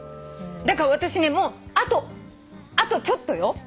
だから私ねもうあとちょっとよ。